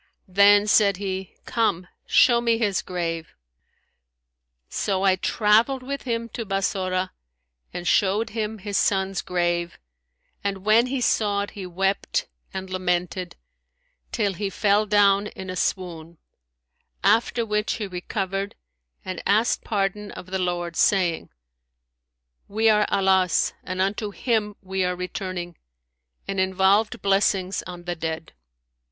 Then said he, Come, show me his grave.' So, I travelled with him to Bassorah and showed him his son's grave; and when he saw it, he wept and lamented, till he fell down in a swoon; after which he recovered and asked pardon of the Lord, saying, We are Allah's and unto Him we are returning!'; and involved blessings on the dead.